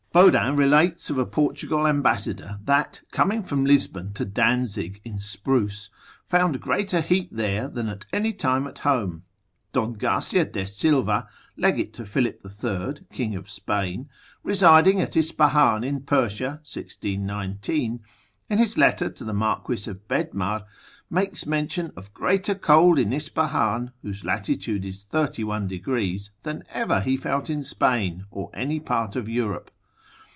Bodin relates of a Portugal ambassador, that coming from Lisbon to Danzig in Spruce, found greater heat there than at any time at home. Don Garcia de Sylva, legate to Philip III., king of Spain, residing at Ispahan in Persia, 1619, in his letter to the Marquess of Bedmar, makes mention of greater cold in Ispahan, whose lat. is 31. gr. than ever he felt in Spain, or any part of Europe.